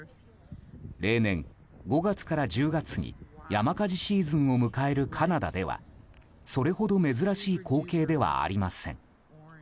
例年５月から１０月に山火事シーズンを迎えるカナダではそれほど珍しい光景ではありません。